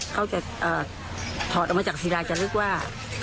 เขาจะถอดออกมาจากศิราจะลึกว่า